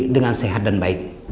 dengan sehat dan baik